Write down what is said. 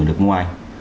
ở nước ngoài